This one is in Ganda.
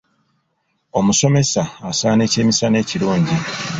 Omusomesa asaana ekyemisana ekirungi.